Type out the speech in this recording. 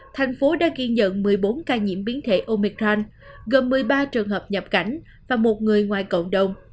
thành phố đã ghi nhận một mươi bốn ca nhiễm biến thể omican gồm một mươi ba trường hợp nhập cảnh và một người ngoài cộng đồng